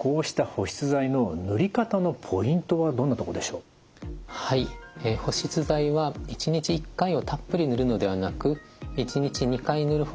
保湿剤は１日１回をたっぷり塗るのではなく１日２回塗る方が効果的です。